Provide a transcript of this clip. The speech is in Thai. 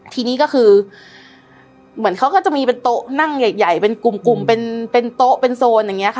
ทีนี้ก็คือเหมือนเขาก็จะมีเป็นโต๊ะนั่งใหญ่เป็นกลุ่มเป็นโต๊ะเป็นโซนอย่างนี้ค่ะ